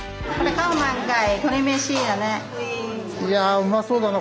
いやうまそうだな